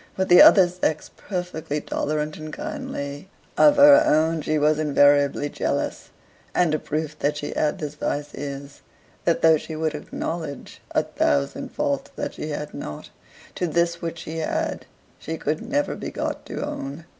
With the other sex perfectly tolerant and kindly, of her own she was invariably jealous; and a proof that she had this vice is, that though she would acknowledge a thousand faults that she had not, to this which she had she could never be got to own.